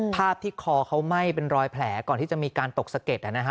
ภาพที่คอเขาไหม้เป็นรอยแผลก่อนที่จะมีการตกสะเก็ด